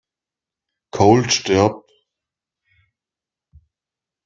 Cold stirbt.